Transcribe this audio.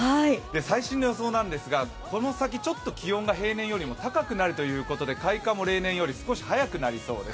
最新の予想なんですが、この先、ちょっと平年よりも高くなるということで開花も例年より少し早くなりそうです。